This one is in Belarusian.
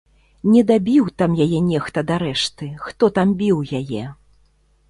Не дабіў там яе нехта дарэшты, хто там біў яе!